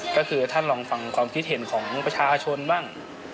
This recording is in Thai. ก็คือท่านลองฟังความคิดเห็นของประชาชนบ้าง